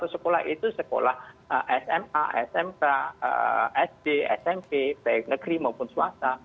seratus sekolah itu sekolah sma smk sd smb pn negeri maupun swasta